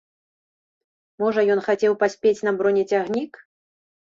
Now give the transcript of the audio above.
Можа, ён хацеў паспець на бронецягнік?